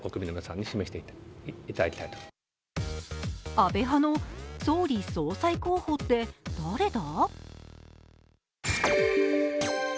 安倍派の次期総理総裁候補って誰だ？